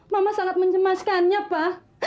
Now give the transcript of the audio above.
mama sangat mencemaskannya pa